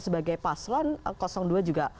sebagai paslon dua juga